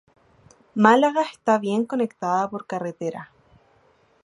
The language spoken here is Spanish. Málaga está bien conectada por carretera.